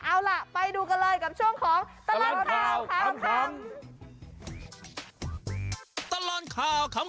เอาล่ะไปดูกันเลยกับช่วงของตลอดข่าวขำ